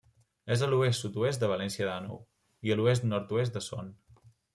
És a l'oest-sud-oest de València d'Àneu i a l'oest-nord-oest de Son.